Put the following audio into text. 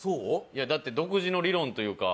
いやだって独自の理論というか。